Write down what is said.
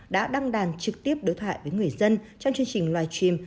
đã đăng đàn trực tiếp đối thoại với người dân trong chương trình live stream